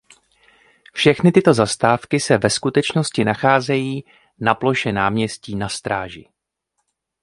Všechny tyto zastávky se ve skutečnosti nacházejí na ploše náměstí Na Stráži.